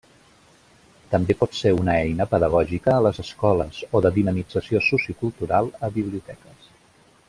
També pot ser una eina pedagògica a les escoles o de dinamització sociocultural a biblioteques.